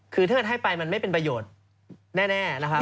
คือถ้าเกิดให้ไปมันไม่เป็นประโยชน์แน่นะครับ